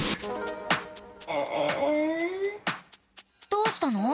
どうしたの？